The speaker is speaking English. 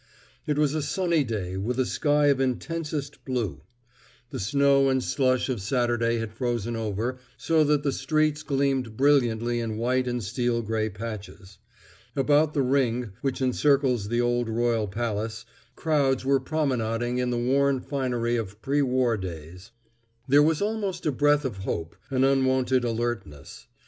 It was a sunny day with a sky of intensest blue. The snow and slush of Saturday had frozen over, so that the streets gleamed brilliantly in white and steel gray patches. About the Ring, which encirles the old royal palace, crowds were promenading in the worn finery of pre war days. There was almost a breath of hope—an unwonted alertness.